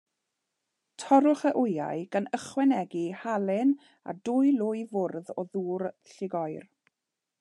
Torrwch y wyau, gan ychwanegu halen, a dwy lwy fwrdd o ddŵr llugoer.